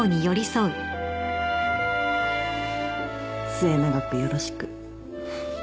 末永くよろしく